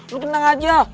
lo tenang aja